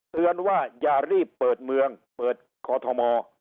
เตือนว่าอย่ารีบเปิดเมืองเปิดกอทม